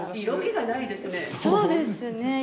色気がないですね。